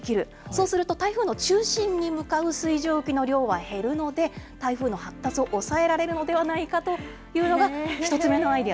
そうすると台風の中心に向かう水蒸気の量は減るので、台風の発達を抑えられるのではないかというのが、１つ目のアイデ